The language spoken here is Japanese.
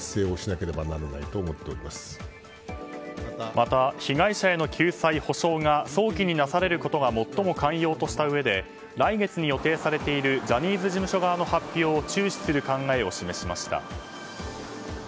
また被害者への救済・補償が早期になされることが最も肝要としたうえで来月に予定されているジャニーズ事務所側の発表を注視する考えを示しました。